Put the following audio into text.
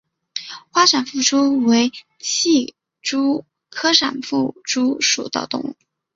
花闪腹蛛为皿蛛科闪腹蛛属的动物。